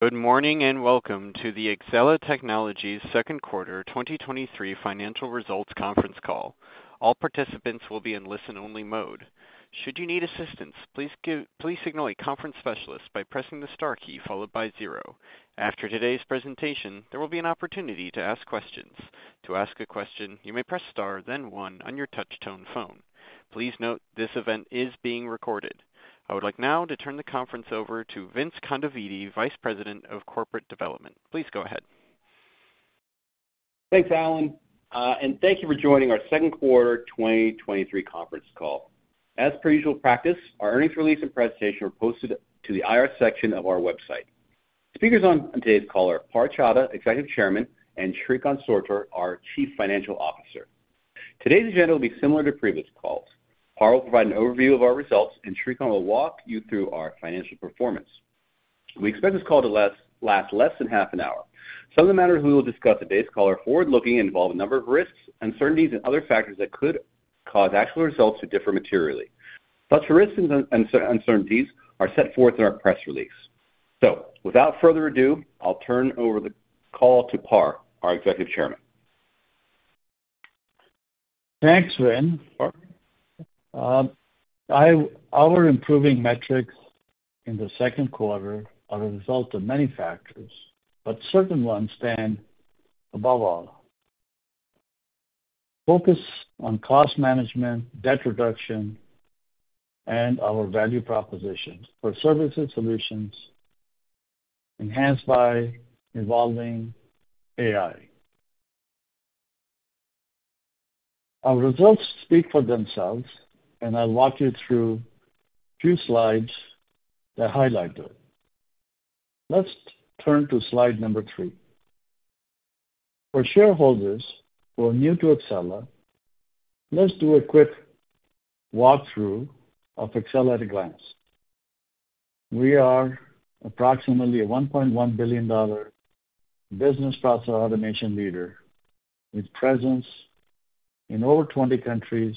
Good morning, welcome to the Exela Technologies Second Quarter 2023 financial results conference call. All participants will be in listen-only mode. Should you need assistance, please signal a conference specialist by pressing the star key followed by 0. After today's presentation, there will be an opportunity to ask questions. To ask a question, you may press star then 1 on your touch-tone phone. Please note, this event is being recorded. I would like now to turn the conference over to Vince Kondaveeti, Vice President of Corporate Development. Please go ahead. Thanks, Alan, and thank you for joining our second quarter 2023 conference call. As per usual practice, our earnings release and presentation are posted to the IR section of our website. Speakers on today's call are Par Chadha, Executive Chairman, and Srikant Sortur, our Chief Financial Officer. Today's agenda will be similar to previous calls. Par will provide an overview of our results, and Srikant will walk you through our financial performance. We expect this call to last less than half an hour. Some of the matters we will discuss on today's call are forward-looking and involve a number of risks, uncertainties, and other factors that could cause actual results to differ materially. Such risks and uncertainties are set forth in our press release. Without further ado, I'll turn over the call to Par, our Executive Chairman. Thanks, Vin. Our improving metrics in the second quarter are a result of many factors, but certain ones stand above all. Focus on cost management, debt reduction, and our value propositions for services solutions enhanced by evolving AI. Our results speak for themselves, and I'll walk you through a few slides that highlight it. Let's turn to slide number 3. For shareholders who are new to Exela, let's do a quick walkthrough of Exela at a glance. We are approximately a $1.1 billion business process automation leader, with presence in over 20 countries.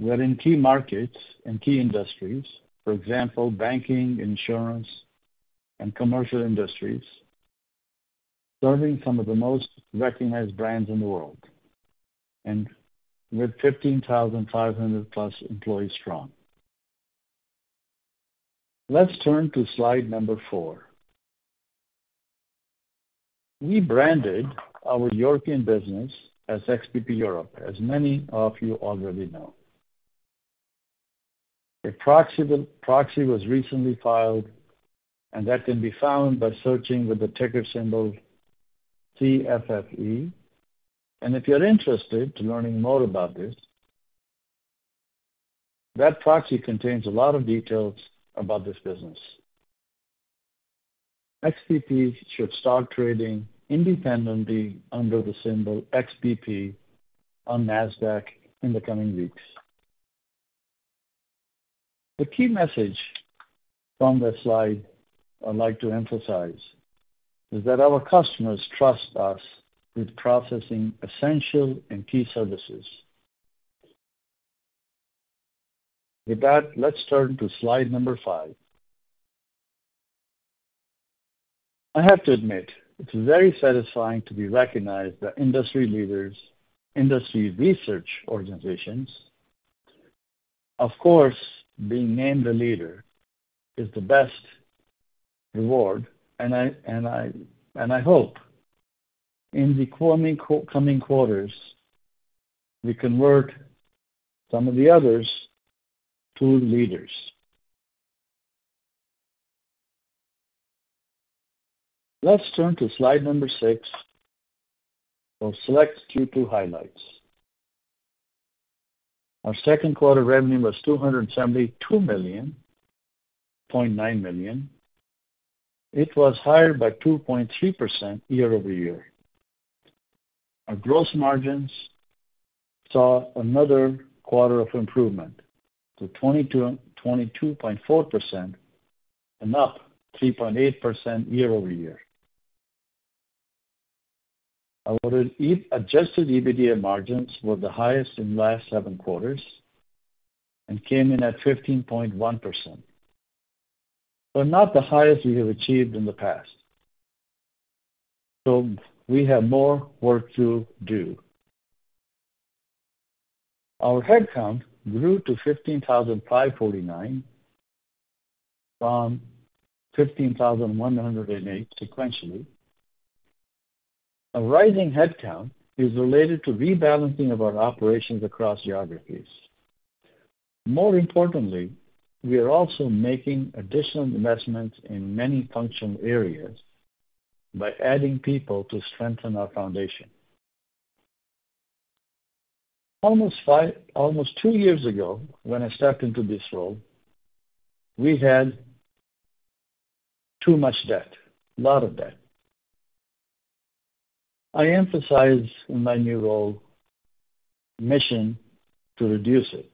We're in key markets and key industries, for example, banking, insurance, and commercial industries, serving some of the most recognized brands in the world, and with 15,500+ employees strong. Let's turn to slide number 4. We branded our European business as XBP Europe, as many of you already know. A proxy was recently filed. That can be found by searching with the ticker symbol CFFE. If you're interested to learning more about this, that proxy contains a lot of details about this business. XBP should start trading independently under the symbol XBP on Nasdaq in the coming weeks. The key message from this slide I'd like to emphasize is that our customers trust us with processing essential and key services. With that, let's turn to slide number 5. I have to admit, it's very satisfying to be recognized by industry leaders, industry research organizations. Of course, being named a leader is the best reward. I hope in the coming quarters, we can work some of the others to leaders. Let's turn to slide number 6 for select Q2 highlights. Our second quarter revenue was $272.9 million. It was higher by 2.3% year-over-year. Our gross margins saw another quarter of improvement to 22.4%, up 3.8% year-over-year. Our Adjusted EBITDA margins were the highest in last 7 quarters and came in at 15.1%. Not the highest we have achieved in the past, so we have more work to do. Our headcount grew to 15,549 from 15,108 sequentially. A rising headcount is related to rebalancing of our operations across geographies. More importantly, we are also making additional investments in many functional areas by adding people to strengthen our foundation. Almost two years ago, when I stepped into this role, we had too much debt, a lot of debt. I emphasize in my new role, mission to reduce it.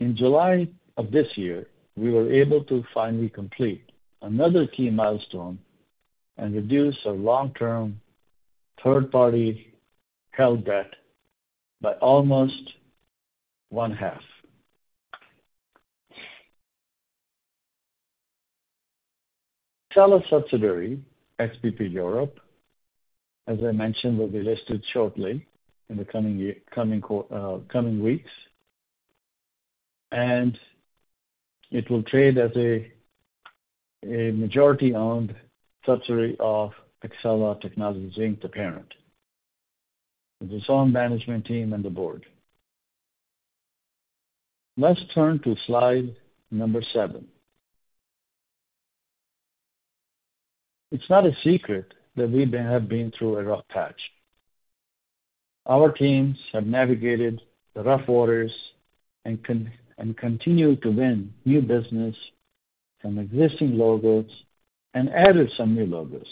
In July of this year, we were able to finally complete another key milestone and reduce our long-term, third-party held debt by almost 50%. Exela subsidiary, XBP Europe, as I mentioned, will be listed shortly in the coming year, coming weeks, and it will trade as a, a majority-owned subsidiary of Exela Technologies Inc, the parent. With its own management team and the board. Let's turn to slide number seven. It's not a secret that we have been through a rough patch. Our teams have navigated the rough waters and continue to win new business from existing logos and added some new logos.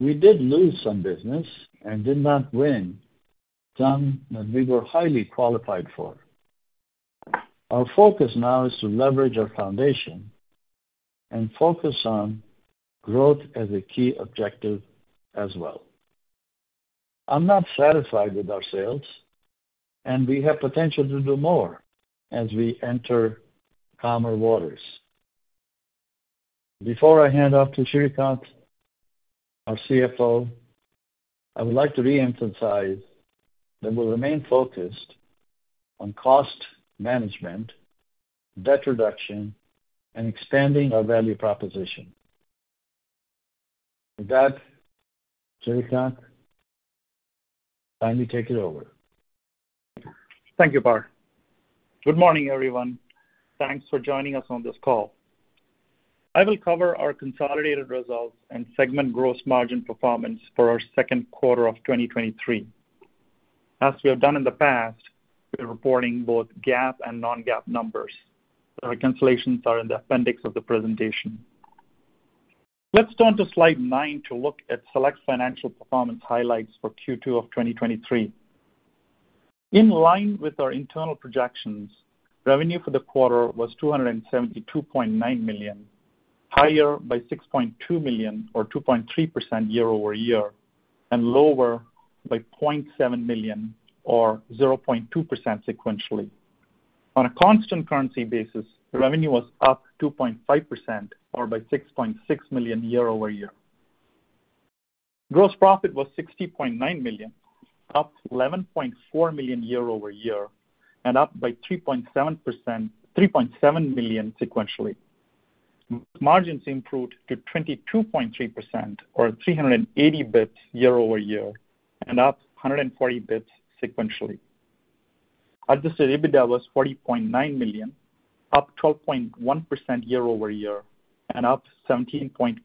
We did lose some business and did not win some that we were highly qualified for. Our focus now is to leverage our foundation and focus on growth as a key objective as well. I'm not satisfied with our sales, and we have potential to do more as we enter calmer waters. Before I hand off to Srikant, our CFO, I would like to re-emphasize that we'll remain focused on cost management, debt reduction, and expanding our value proposition. With that, Srikant, kindly take it over. Thank you, Par. Good morning, everyone. Thanks for joining us on this call. I will cover our consolidated results and segment gross margin performance for our second quarter of 2023. As we have done in the past, we are reporting both GAAP and non-GAAP numbers. The reconciliations are in the appendix of the presentation. Let's turn to slide nine to look at select financial performance highlights for Q2 of 2023. In line with our internal projections, revenue for the quarter was $272.9 million, higher by $6.2 million or 2.3% year-over-year, and lower by $0.7 million or 0.2% sequentially. On a constant currency basis, the revenue was up 2.5% or by $6.6 million year-over-year. Gross profit was $60.9 million, up $11.4 million year-over-year, and up by 3.7%- $3.7 million sequentially. Margins improved to 22.3% or 380 bps year-over-year, and up 140 bps sequentially. Adjusted EBITDA was $40.9 million, up 12.1% year-over-year, and up 17.8%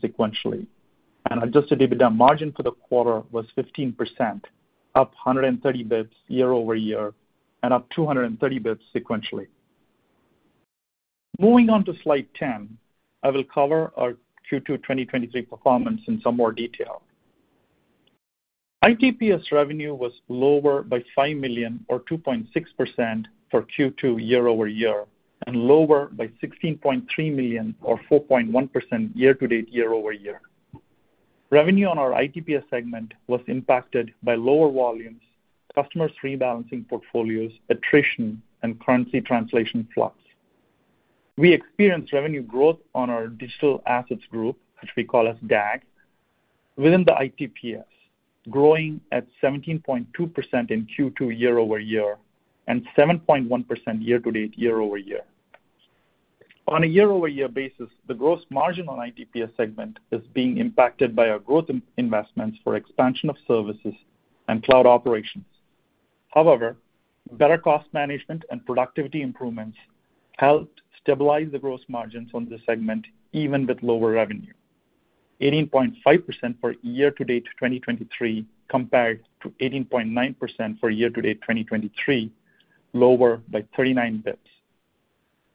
sequentially, and Adjusted EBITDA margin for the quarter was 15%, up 130 bps year-over-year, and up 230 bps sequentially. Moving on to slide 10, I will cover our Q2 2023 performance in some more detail. ITPS revenue was lower by $5 million or 2.6% for Q2 year-over-year, and lower by $16.3 million or 4.1% year-to-date, year-over-year. Revenue on our ITPS segment was impacted by lower volumes, customers rebalancing portfolios, attrition, and currency translation flux. We experienced revenue growth on our Digital Assets Group, which we call as DAG, within the ITPS, growing at 17.2% in Q2 year-over-year, and 7.1% year-to-date, year-over-year. On a year-over-year basis, the gross margin on ITPS segment is being impacted by our growth investments for expansion of services and cloud operations. Better cost management and productivity improvements helped stabilize the gross margins on this segment, even with lower revenue. 18.5% for year-to-date 2023, compared to 18.9% for year-to-date 2023, lower by 39 basis points.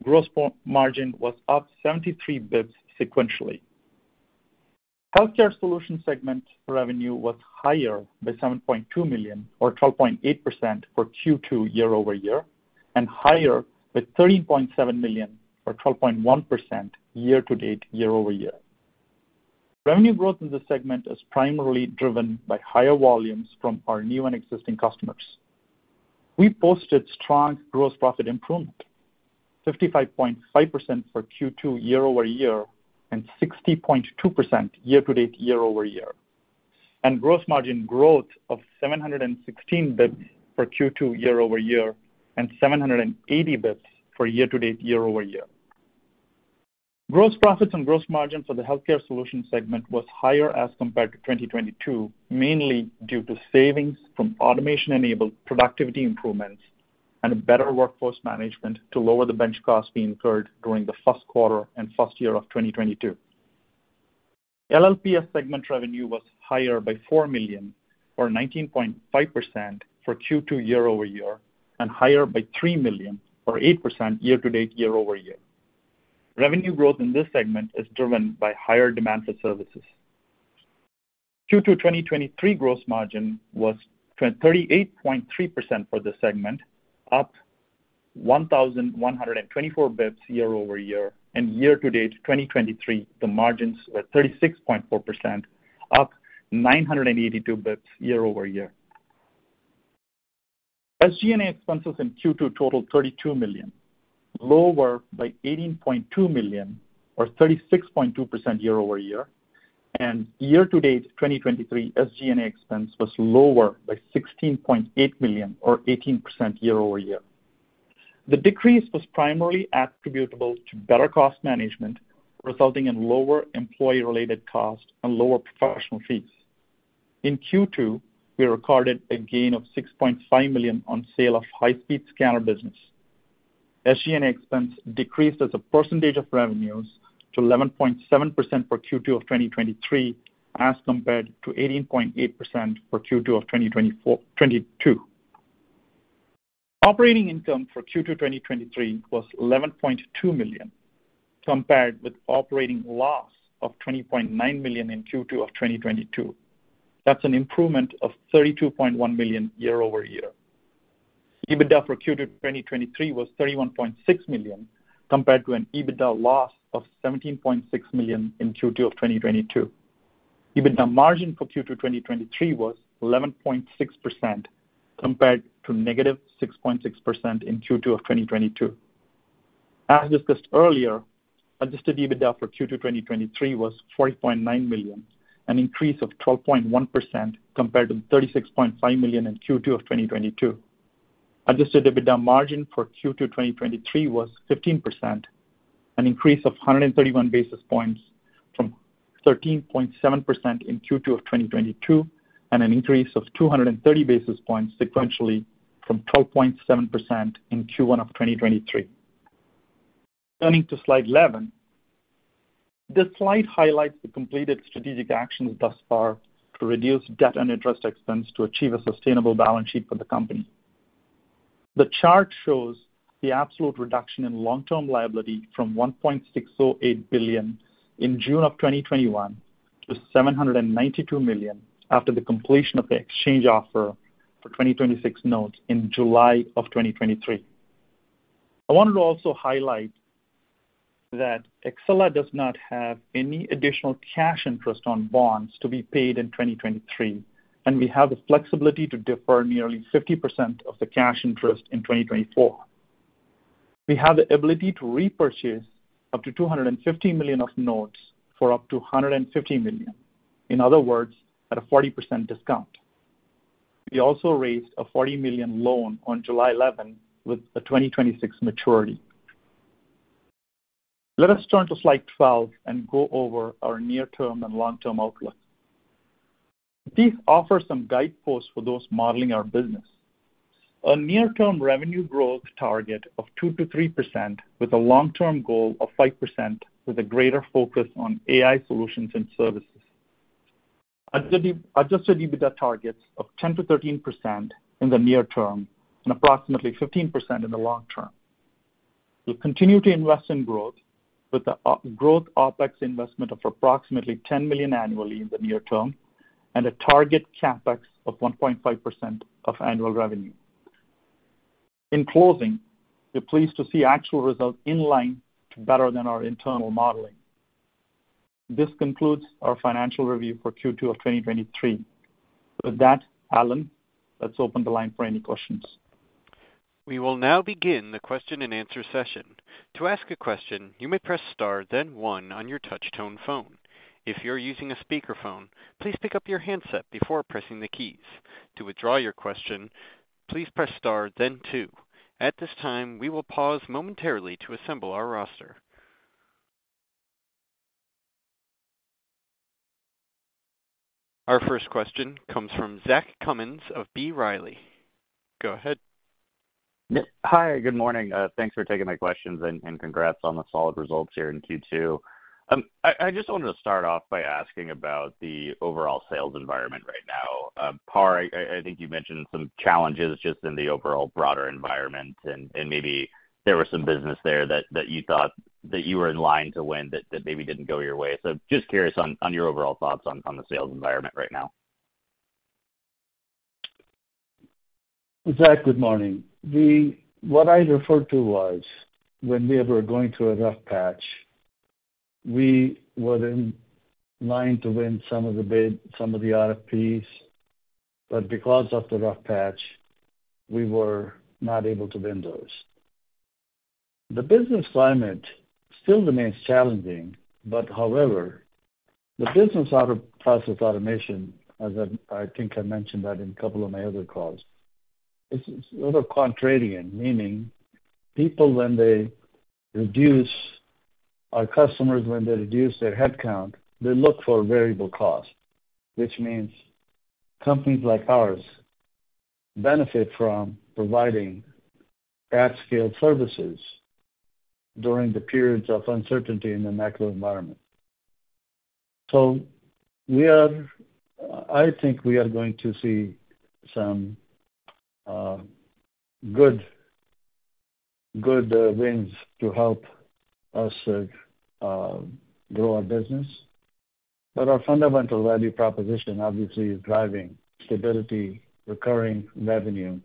Gross margin was up 73 basis points sequentially. Healthcare solution segment revenue was higher by $7.2 million or 12.8% for Q2 year-over-year, and higher by $13.7 million or 12.1% year-to-date, year-over-year. Revenue growth in this segment is primarily driven by higher volumes from our new and existing customers. We posted strong gross profit improvement, 55.5% for Q2 year-over-year, and 60.2% year-to-date, year-over-year, and gross margin growth of 716 bits for Q2 year-over-year, and 780 bits for year-to-date, year-over-year. Gross profits and gross margin for the Healthcare solution segment was higher as compared to 2022, mainly due to savings from automation-enabled productivity improvements and a better workforce management to lower the bench costs being incurred during the first quarter and first year of 2022. LLPS segment revenue was higher by $4 million, or 19.5% for Q2 year-over-year, and higher by $3 million or 8% year to date, year-over-year. Revenue growth in this segment is driven by higher demand for services. Q2 2023 gross margin was 38.3% for the segment, up 1,124 bps year-over-year, and year to date, 2023, the margins were 36.4% up 982 bps year-over-year. SG&A expenses in Q2 totaled $32 million, lower by $18.2 million or 36.2% year-over-year, and year-to-date 2023 SG&A expense was lower by $16.8 million or 18% year-over-year. The decrease was primarily attributable to better cost management, resulting in lower employee-related costs and lower professional fees. In Q2, we recorded a gain of $6.5 million on sale of high-speed scanner business. SG&A expense decreased as a percentage of revenues to 11.7% for Q2 of 2023, as compared to 18.8% for Q2 of 2022. Operating income for Q2 2023 was $11.2 million, compared with operating loss of $20.9 million in Q2 of 2022. That's an improvement of $32.1 million year-over-year. EBITDA for Q2 2023 was $31.6 million, compared to an EBITDA loss of $17.6 million in Q2 of 2022. EBITDA margin for Q2 2023 was 11.6%, compared to negative 6.6% in Q2 of 2022. As discussed earlier, Adjusted EBITDA for Q2 2023 was $40.9 million, an increase of 12.1% compared to $36.5 million in Q2 of 2022. Adjusted EBITDA margin for Q2 2023 was 15%, an increase of 131 basis points from 13.7% in Q2 of 2022, and an increase of 230 basis points sequentially from 12.7% in Q1 of 2023. Turning to slide 11. This slide highlights the completed strategic actions thus far to reduce debt and interest expense to achieve a sustainable balance sheet for the company. The chart shows the absolute reduction in long-term liability from $1.608 billion in June 2021 to $792 million after the completion of the exchange offer for 2026 notes in July 2023. I wanted to also highlight that Exela does not have any additional cash interest on bonds to be paid in 2023, and we have the flexibility to defer nearly 50% of the cash interest in 2024. We have the ability to repurchase up to $250 million of notes for up to $150 million, in other words, at a 40% discount. We also raised a $40 million loan on July 11 with a 2026 maturity. Let us turn to slide 12 and go over our near-term and long-term outlook. These offer some guideposts for those modeling our business. A near-term revenue growth target of 2%-3%, with a long-term goal of 5%, with a greater focus on AI solutions and services. adjusted EBITDA targets of 10%-13% in the near term and approximately 15% in the long term. We'll continue to invest in growth, with the growth OpEx investment of approximately $10 million annually in the near term, and a target CapEx of 1.5% of annual revenue. In closing, we're pleased to see actual results in line to better than our internal modeling. This concludes our financial review for Q2 of 2023. With that, Alan, let's open the line for any questions. We will now begin the question-and-answer session. To ask a question, you may press star, then one on your touch-tone phone. If you're using a speakerphone, please pick up your handset before pressing the keys. To withdraw your question, please press star then two. At this time, we will pause momentarily to assemble our roster. Our first question comes from Zach Cummins of B. Riley. Go ahead. Hi, good morning. Thanks for taking my questions and, and congrats on the solid results here in Q2. I, I just wanted to start off by asking about the overall sales environment right now. Par, I, I think you mentioned some challenges just in the overall broader environment, and, and maybe there was some business there that, that you thought that you were in line to win, that, that maybe didn't go your way. Just curious on, on your overall thoughts on, on the sales environment right now? Zach, good morning. What I referred to was, when we were going through a rough patch, we were in line to win some of the bid, some of the RFPs, but because of the rough patch, we were not able to win those. The business climate still remains challenging, but however, the business process automation, as I, I think I mentioned that in a couple of my other calls, is, is a little contrarian, meaning, people when they reduce our customers, when they reduce their headcount, they look for variable cost, which means companies like ours benefit from providing at-scale services during the periods of uncertainty in the macro environment. We are, I think we are going to see some good, good wins to help us grow our business. Our fundamental value proposition obviously is driving stability, recurring revenue,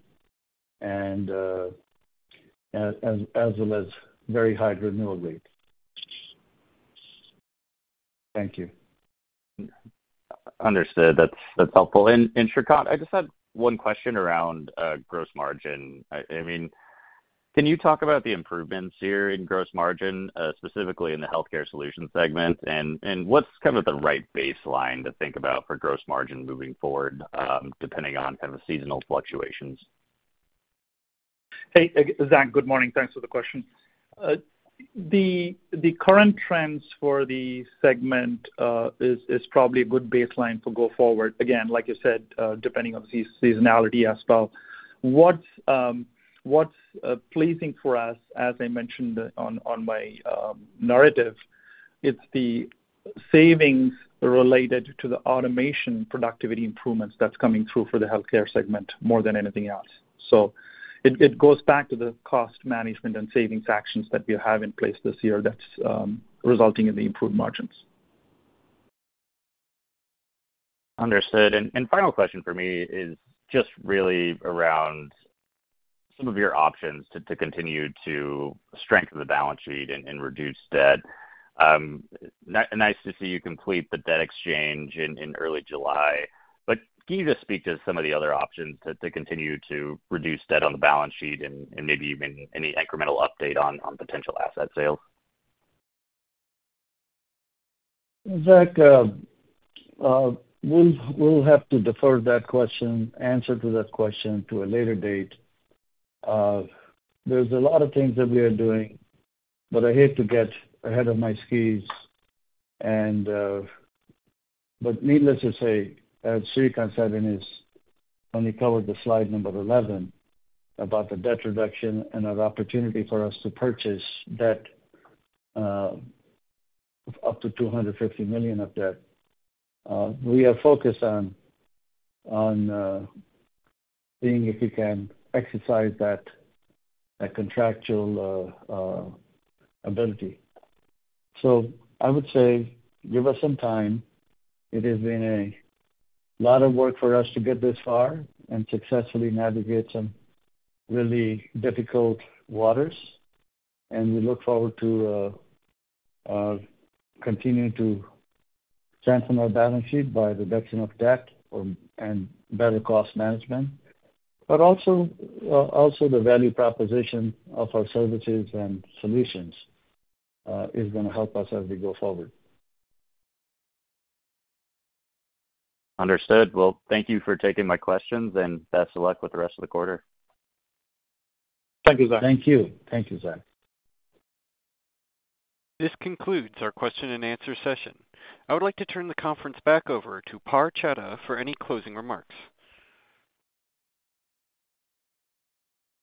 and. as well as very high renewable rate. Thank you. Understood. That's, that's helpful. Srikant, I just had one question around gross margin. I, I mean, can you talk about the improvements here in gross margin, specifically in the Healthcare solution segment? What's kind of the right baseline to think about for gross margin moving forward, depending on kind of seasonal fluctuations? Hey, Zach, good morning. Thanks for the question. The, the current trends for the segment is, is probably a good baseline to go forward. Again, like you said, depending on seasonality as well. What's, what's pleasing for us, as I mentioned on, on my narrative, it's the savings related to the automation productivity improvements that's coming through for the healthcare segment more than anything else. It, it goes back to the cost management and savings actions that we have in place this year that's resulting in the improved margins. Understood. Final question for me is just really around some of your options to continue to strengthen the balance sheet and reduce debt. Nice to see you complete the debt exchange in early July, but can you just speak to some of the other options to continue to reduce debt on the balance sheet and maybe even any incremental update on potential asset sales? Zach, we'll have to defer that question, answer to that question to a later date. There's a lot of things that we are doing, but I hate to get ahead of my skis. Needless to say, as Srikanth said in his, when he covered the slide 11, about the debt reduction and an opportunity for us to purchase debt, up to $250 million of debt, we are focused on seeing if we can exercise that contractual ability. I would say, give us some time. It has been a lot of work for us to get this far and successfully navigate some really difficult waters, and we look forward to continuing to strengthen our balance sheet by reduction of debt or, and better cost management. Also, also the value proposition of our services and solutions, is gonna help us as we go forward. Understood. Well, thank you for taking my questions, and best of luck with the rest of the quarter. Thank you, Zach. Thank you. Thank you, Zach. This concludes our question and answer session. I would like to turn the conference back over to Par Chadha for any closing remarks.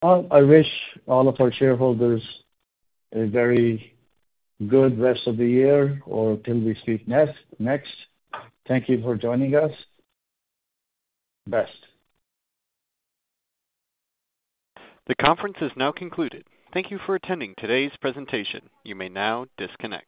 Well, I wish all of our shareholders a very good rest of the year or till we speak next. Thank you for joining us. Best. The conference is now concluded. Thank you for attending today's presentation. You may now disconnect.